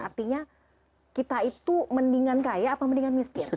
artinya kita itu mendingan kaya apa mendingan miskin